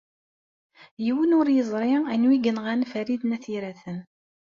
Yiwen ur yeẓri anwa i yenɣan Farid n At Yiraten.